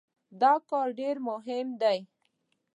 دا کار ډېر مهم دی.